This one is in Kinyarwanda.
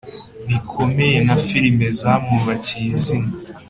bikomeye na filime zamwubakiye izina